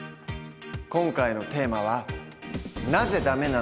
今回のテーマは「なぜダメなの？